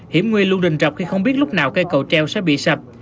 hiểm nguyên luôn rình rọc khi không biết lúc nào cây cầu treo sẽ bị sập